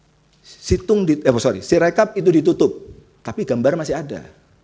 itu kan jadi aneh terkadang teman teman itu menyatakan bahwa situng di eh sorry sirekap itu ditutup tapi gambar masih ada